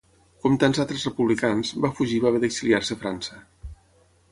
Com tants altres republicans, va fugir i va haver d'exiliar-se França.